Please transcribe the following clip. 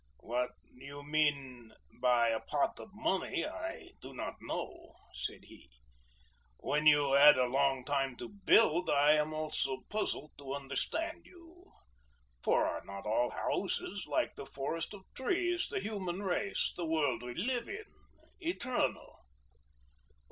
"What you mean by a pot of money I do not know," said he. "When you add a long time to build, I am also puzzled to understand you. For are not all houses, like the forest of trees, the human race, the world we live in, eternal?"